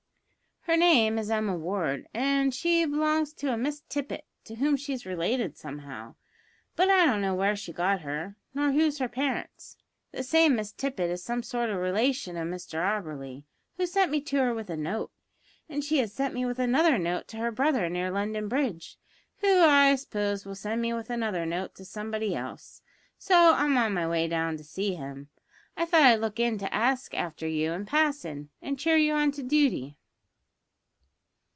"Her name is Emma Ward, and she b'longs to a Miss Tippet, to whom she's related somehow, but I don't know where she got her, nor who's her parents. This same Miss Tippet is some sort of a relation o' Mr Auberly, who sent me to her with a note, and she has sent me with another note to her brother near London Bridge, who, I s'pose, will send me with another note to somebody else, so I'm on my way down to see him. I thought I'd look in to ask after you in passin', and cheer you on to dooty."